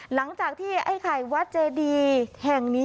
หลังจากที่ไอ้ไข่วัดเจดีแห่งนี้